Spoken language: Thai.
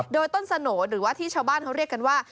โดยต้นสโหน่หรือว่าที่ชาวบ้านเขาเรียกกันว่า